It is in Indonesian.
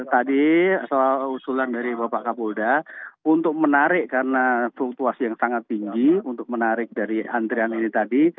tadi soal usulan dari bapak kapolda untuk menarik karena fluktuasi yang sangat tinggi untuk menarik dari antrian ini tadi